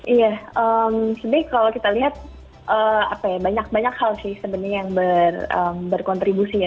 iya sebenarnya kalau kita lihat banyak banyak hal sih sebenarnya yang berkontribusi ya